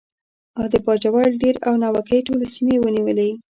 او د باجوړ، دیر او ناوګۍ ټولې سیمې یې ونیولې.